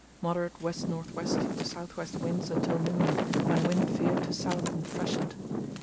Moderate west north west to south west winds until noon, when wind veered to south and freshened.